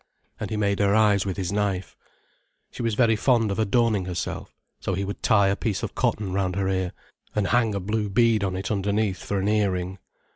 And he made her eyes with his knife. She was very fond of adorning herself, so he would tie a piece of cotton round her ear, and hang a blue bead on it underneath for an ear ring.